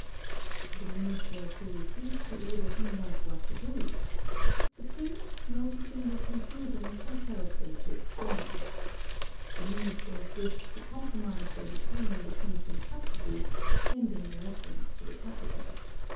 The ministers who received the orders knew not what to do. The prince, noticing their con fusion, compelled them to explain. The ministers wished to compromise by detaining the prince in custody, pend ing a reference to the capital.